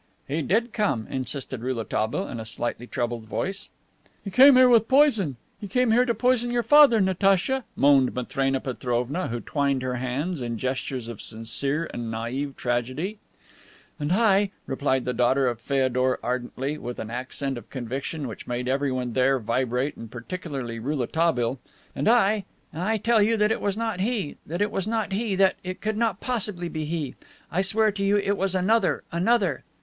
"He did come," insisted Rouletabille in a slightly troubled voice. "He came here with poison. He came here to poison your father, Natacha," moaned Matrena Petrovna, who twined her hands in gestures of sincere and naive tragedy. "And I," replied the daughter of Feodor ardently, with an accent of conviction which made everyone there vibrate, and particularly Rouletabille, "and I, I tell you it was not he, that it was not he, that it could not possibly be he. I swear to you it was another, another."